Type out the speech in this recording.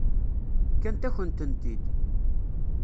Fkan-akent-tent-id.